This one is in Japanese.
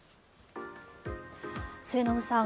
末延さん